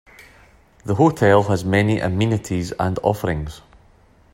The hotel has many amenities and offerings.